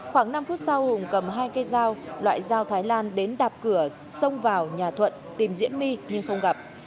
khoảng năm phút sau hùng cầm hai cây dao loại dao thái lan đến đạp cửa xông vào nhà thuận tìm diễm my nhưng không gặp